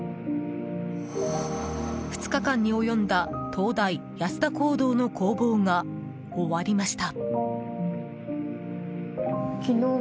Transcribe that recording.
２日間に及んだ東大安田講堂の攻防が終わりました。